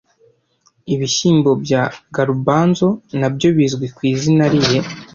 Ibishyimbo bya garbanzo nabyo bizwi ku izina rihe